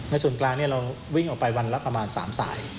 ส่วนกลางเราวิ่งออกไปวันละประมาณ๓สาย